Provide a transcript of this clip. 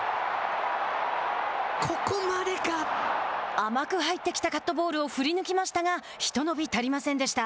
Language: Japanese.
甘く入ってきたカットボールを振り抜きましたがひと伸び足りませんでした。